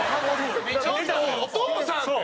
ちょっと、お父さん！って。